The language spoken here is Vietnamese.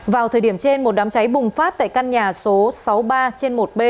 vào thời điểm trên một đám cháy bùng phát tại căn nhà số sáu mươi ba trên một b